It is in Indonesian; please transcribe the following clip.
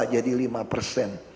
sekda menjelaskan keberatan eksekutif